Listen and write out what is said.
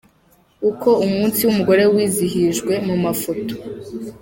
Uko umunsi w’Umugore wizihijwe mu mafoto.